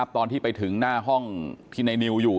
ตอนที่ไปถึงหน้าห้องที่ในนิวอยู่